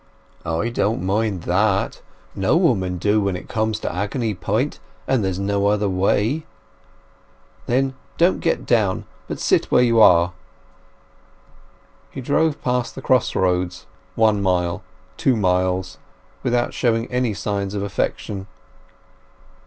"I don't mind that; no woman do when it comes to agony point, and there's no other way!" "Then don't get down, but sit where you are." He drove past the cross roads, one mile, two miles, without showing any signs of affection.